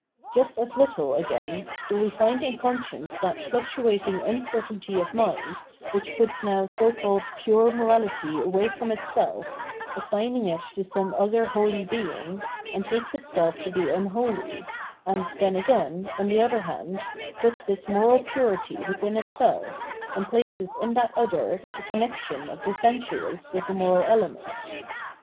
Just as little, again, do we find m conscience that fluctuating uncertainty of mind, which puts now so called " pure " morality away from itself, assigning it to some other holy being, and takes itself to be xmholy, anfl then again, on the other hand, puts this moral purity withui itself, and places in that other the con nexion of the sensuous with the moral element.